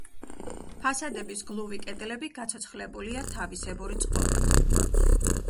ფასადების გლუვი კედლები გაცოცხლებულია თავისებური წყობით.